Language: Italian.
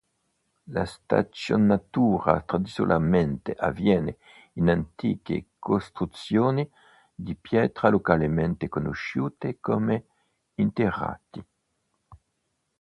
La stagionatura tradizionalmente avviene in antiche costruzioni di pietra localmente conosciute come "interrati".